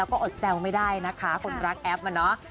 แล้วก็อดแซวไม่ได้นะคะคนรักแอปอะเนาะ